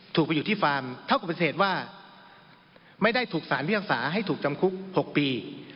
ไปอยู่ที่ฟาร์มเท่ากับปฏิเสธว่าไม่ได้ถูกสารพิพากษาให้ถูกจำคุก๖ปี